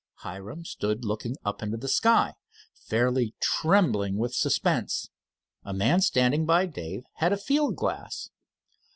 Hiram stood looking up into the sky, fairly trembling with suspense. A man standing by Dave had a field glass.